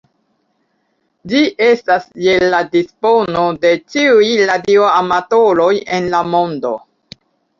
Ĝi estas je la dispono de ĉiuj radioamatoroj en la mondo.